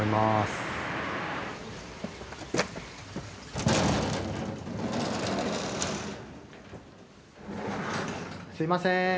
すみません。